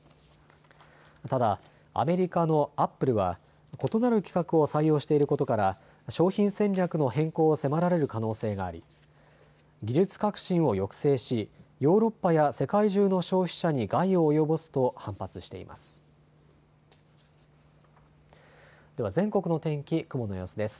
ただ、アメリカのアップルは異なる規格を採用していることから商品戦略の変更を迫られる可能性があり技術革新を抑制しヨーロッパや世界中の消費者に害を及ぼすと反発しています。